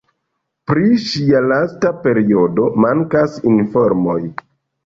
Pri ŝia lasta periodo mankas informoj.